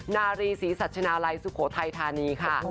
นารีศรีสัชนาลัยสุโขทัยธานีค่ะ